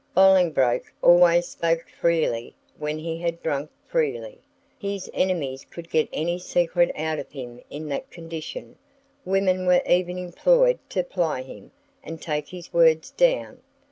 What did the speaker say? Bolingbroke always spoke freely when he had drunk freely. His enemies could get any secret out of him in that condition; women were even employed to ply him, and take his words down.